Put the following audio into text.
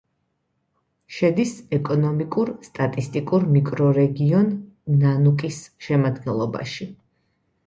შედის ეკონომიკურ-სტატისტიკურ მიკრორეგიონ ნანუკის შემადგენლობაში.